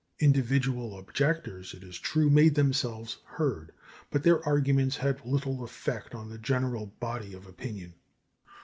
Individual objectors, it is true, made themselves heard, but their arguments had little effect on the general body of opinion.